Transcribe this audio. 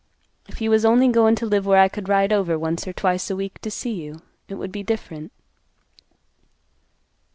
If you was only goin' t' live where I could ride over once or twice a week to see you, it would be different."